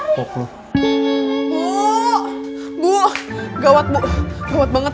bu bu gawat bu gawat banget